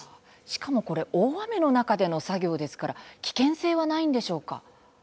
しかも、これ大雨の中での作業ですから危険性はないんでしょうか？